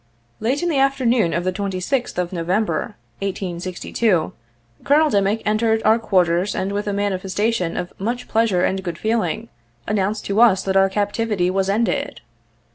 Late in the afternoon of the 26th of November, 1862, Colonel Dimick entered our quarters and, with a manifes tation of much pleasure and good feeling, announced to us that our captivity was ended.